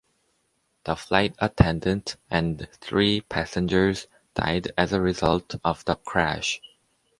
The flight attendant and three passengers died as a result of the crash.